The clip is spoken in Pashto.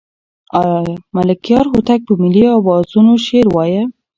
آیا ملکیار هوتک په ملي اوزانو شعر وایه؟